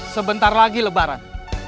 sebentar lagi lebaran